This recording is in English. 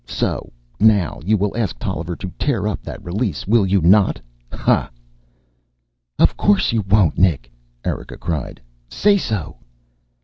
So. Now you will ask Tolliver to tear up that release, will you not ha?" "Of course you won't, Nick," Erika cried. "Say so!"